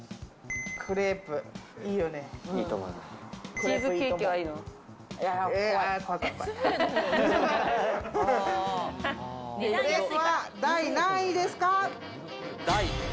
クレープは第何位ですか？